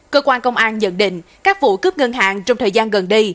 cơ quan công an nhận định các vụ cướp ngân hàng trong thời gian gần đây